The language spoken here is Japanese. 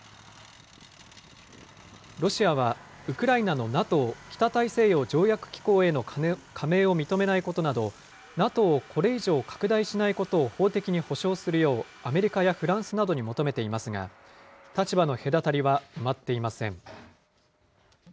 ロシアはウクライナのＮＡＴＯ・北大西洋条約機構への加盟を認めないことなど、ＮＡＴＯをこれ以上拡大しないことを法的に保証するよう、アメリカやフランスなどに求めていますが、立場の隔たりは埋まっていません。